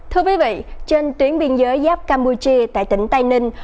thưa quý vị trên tuyến biên giới giáp campuchia tại tỉnh tây ninh